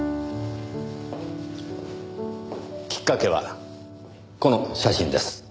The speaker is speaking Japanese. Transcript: きっかけはこの写真です。